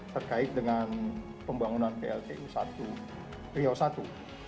terkait dengan pembangunan pltu riau i